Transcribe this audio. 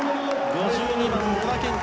５２番、小田健太